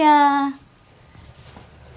gak ada yang nanya